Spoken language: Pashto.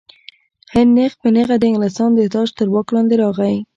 هند نیغ په نیغه د انګلستان د تاج تر واک لاندې راغی.